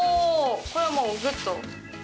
これはもうぐっと。